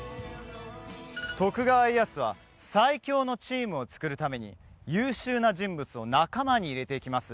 徳川家康は最強のチームを作るために優秀な人物を仲間に入れていきます